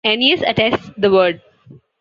Ennius attests the word.